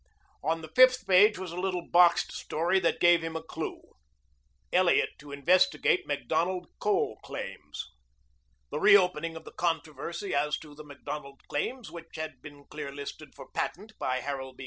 On the fifth page was a little boxed story that gave him his clue. ELLIOT TO INVESTIGATE MACDONALD COAL CLAIMS The reopening of the controversy as to the Macdonald claims, which had been clear listed for patent by Harold B.